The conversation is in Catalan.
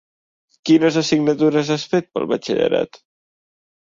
Quines assignatures has fet pel batxillerat?